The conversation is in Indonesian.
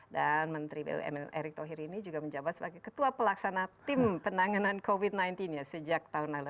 dan menteri bumn erick thohir ini juga menjabat sebagai ketua pelaksana tim penanganan covid sembilan belas sejak tahun lalu